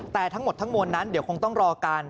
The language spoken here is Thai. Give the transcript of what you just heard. แต่ทั้งหมดทั้งมวลนั้นเดี๋ยวคงต้องรอการ